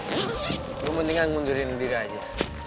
lo mendingan mundurin diri aja